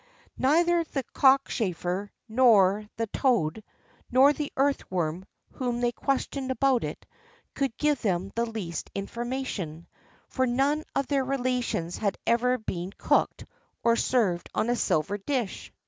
Neither the cockchafer, nor the toad, nor the earthworm, whom they questioned about it, could give them the least information; for none of their relations had ever been cooked or served on a silver dish.